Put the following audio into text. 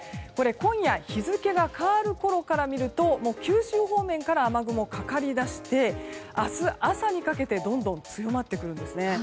今夜日付が変わることから見ると九州方面から雨雲がかかりだして明日朝にかけてどんどん強まってくるんですね。